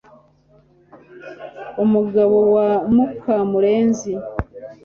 Umugabo wa muka murenzi